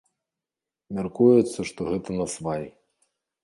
Мяркуецца, што гэта насвай.